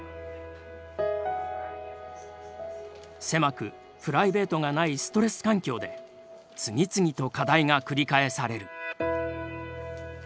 狭くプライベートがないストレス環境で次々と課題が繰り返される。